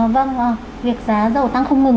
vâng việc giá dầu tăng không ngừng